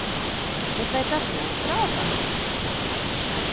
Bet vai tas nostrādāja?